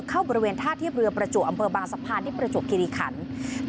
บริเวณท่าเทียบเรือประจวบอำเภอบางสะพานที่ประจวบคิริขัน